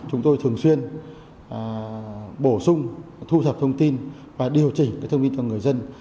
chúng tôi thường xuyên bổ sung thu thập thông tin và điều chỉnh thông tin cho người dân